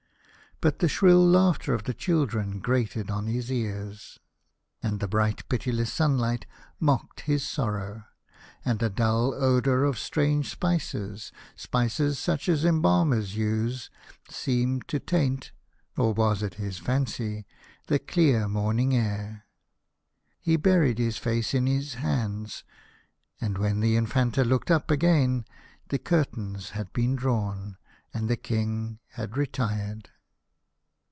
But the shrill laughter of the children grated on his ears, and the bright pitiless sunlight mocked his sorrow, and a dull odour of strange spices, spices such as embalmers use, seemed to taint — or was it fancy ?— the clear morning air. He buried his face in his hands, and when the Infanta looked up again the cur tains had been drawn, and the King had retired.